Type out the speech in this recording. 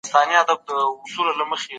موږ حساب مخ ته بيايو.